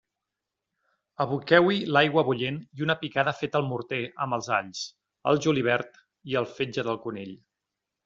Aboqueu-hi l'aigua bullent i una picada feta al morter amb els alls, el julivert i el fetge del conill.